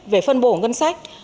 về phân bổ ngân sách